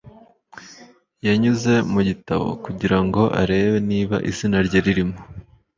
yanyuze mu gitabo kugira ngo arebe niba izina rye ririmo